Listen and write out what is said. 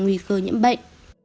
nguy cơ nhiễm bệnh